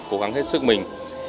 cố gắng hết sức mình